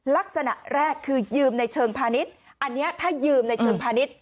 ลักษณะแรกคือยืมในเชิงพาณิชย์อันนี้ถ้ายืมในเชิงพาณิชย์